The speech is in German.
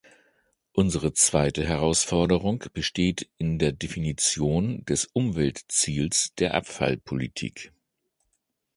Unsere zweite Herausforderung besteht in der Definition des Umweltziels der Abfallpolitik.